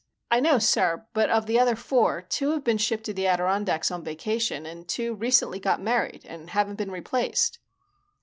"I know, sir, but of the other four, two have been shipped to the Adirondacks on vacation and two recently got married and haven't been replaced."